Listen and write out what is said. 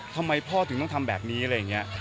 ทำไมพ่อถึงต้องทำแบบนี้อะไรอย่างนี้